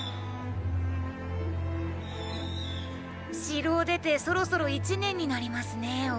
城を出てそろそろ１年になりますね王子。